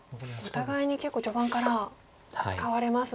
お互いに結構序盤から使われますね。